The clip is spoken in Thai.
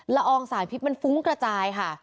อองสารพิษมันฟุ้งกระจายค่ะ